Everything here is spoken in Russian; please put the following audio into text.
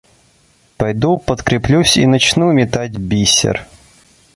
Пойду подкреплюсь и начну метать бисер.